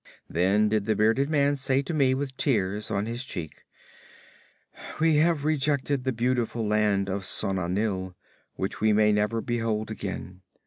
Then did the bearded man say to me, with tears on his cheek, "We have rejected the beautiful Land of Sona Nyl, which we may never behold again.